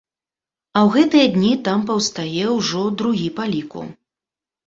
А ў гэтыя дні там паўстае ўжо другі па ліку.